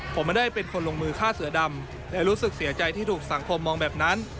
ผมไม่ได้เป็นคนลงมือฆ่าเสือดำและรู้สึกเสียใจที่ถูกสังคมมองแบบนั้น